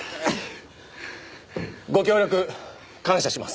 ご協力感謝します。